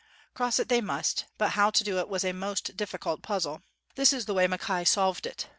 Cross it they must; but how to do it was a most difficult puzzle. This is the way Mackay solved it.